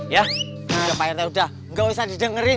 ya pak rt udah nggak usah didengerin